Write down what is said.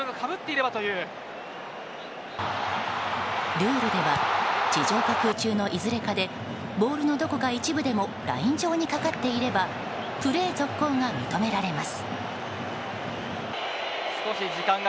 ルールでは地上か空中のいずれかでボールのどこか一部でもライン上にかかっていればプレー続行が認められます。